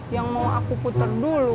yang mau aku putar dulu